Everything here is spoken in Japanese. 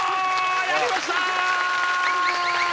やりました！